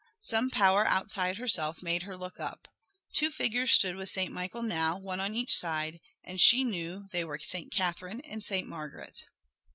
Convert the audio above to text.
Some power outside herself made her look up. Two figures stood with Saint Michael now, one on each side, and she knew they were Saint Catherine and Saint Margaret.